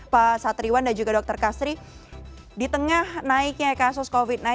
pak satriwan dan juga dr kastri di tengah naiknya kasus covid sembilan belas